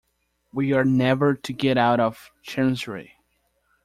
We are never to get out of Chancery!